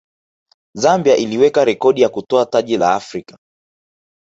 zambia iliweka rekodi kwa kutwaa taji la afrika